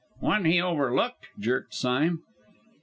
"One he overlooked?" jerked Sime.